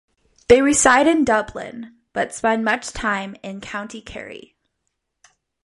They reside in Dublin, but spend much time in County Kerry.